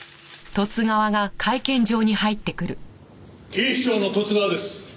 警視庁の十津川です。